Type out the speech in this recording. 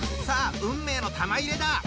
さあ運命の玉入れだ！